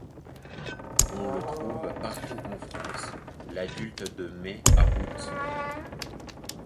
On le trouve partout en France, l'adulte de mai à août.